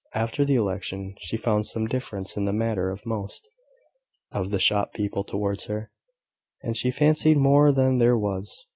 After the election, she found some difference in the manner of most of the shop people towards her; and she fancied more than there was.